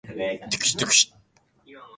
北海道倶知安町